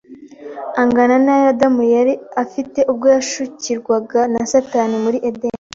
angana n’ayo Adamu yari afite ubwo yashukirwaga na Satani muri Edeni.